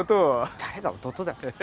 誰が弟だ。え？